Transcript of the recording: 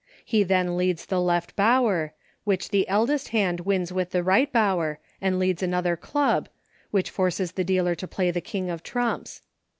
He then leads the Left Bower, which the eldest hand wins with the Right Bower, and leads another club, which forces the dealer to play the King of trumps.